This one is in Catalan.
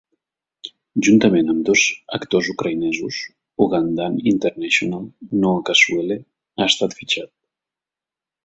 Juntament amb dos actors ucraïnesos, Ugandan international, Noah Kasule, ha estat fitxat.